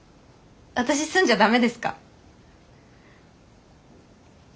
私住んじゃ駄目ですか？